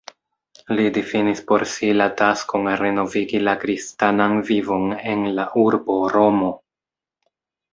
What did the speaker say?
Li difinis por si la taskon renovigi la kristanan vivon en la urbo Romo.